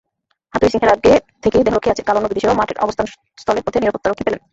হাথুরুসিংহের আগে থেকেই দেহরক্ষী আছে, কাল অন্য বিদেশিরাও মাঠ-আবাসস্থলের পথে নিরাপত্তারক্ষী পেলেন।